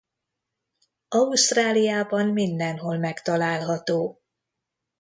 Ausztráliában mindenhol megtalálható.